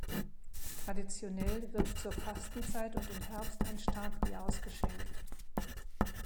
Traditionell wird zur Fastenzeit und im Herbst ein Starkbier ausgeschenkt.